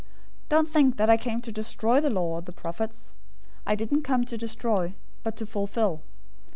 005:017 "Don't think that I came to destroy the law or the prophets. I didn't come to destroy, but to fulfill.